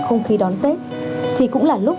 không khí đón tết thì cũng là lúc